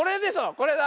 これだ。